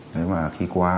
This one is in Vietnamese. thế mà khi qua